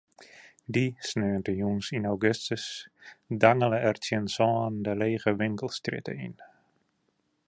Dy sneontejûns yn augustus dangele er tsjin sânen de lege winkelstrjitte yn.